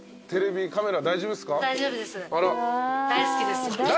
テレビカメラ大丈夫ですか？